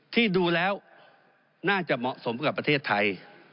ที่ดูแล้วน่าจะเหมาะสมกับประเทศไทย